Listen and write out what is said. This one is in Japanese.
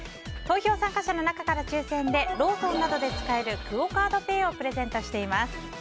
投票参加者の中から抽選でローソンなどで使えるクオ・カードペイをプレゼントしています。